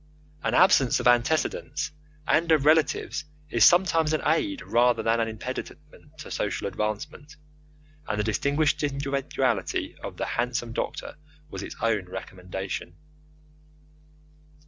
An absence of antecedents and of relatives is sometimes an aid rather than an impediment to social advancement, and the distinguished individuality of the handsome doctor was its own recommendation.